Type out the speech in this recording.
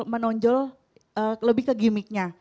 menonjol lebih ke gimmicknya